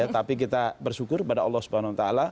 tapi kita bersyukur kepada allah swt